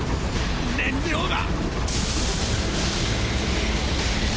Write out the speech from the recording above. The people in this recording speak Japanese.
燃料が！！